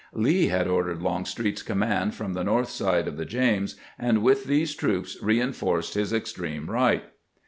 Lee had ordered Long street's command from the north side of the James, and with these troops reinforced his extreme right.